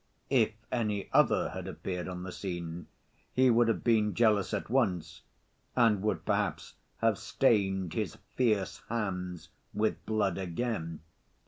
If any other had appeared on the scene, he would have been jealous at once, and would perhaps have stained his fierce hands with blood again.